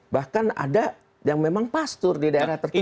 bahkan ada yang memang pastur di daerah tertentu